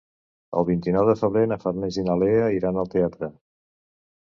El vint-i-nou de febrer na Farners i na Lea iran al teatre.